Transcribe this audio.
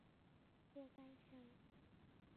若干项目被列入中国国家级非物质文化遗产。